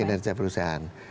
iya kinerja perusahaan